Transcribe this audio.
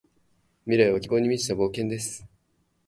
未来は希望に満ちた冒険です。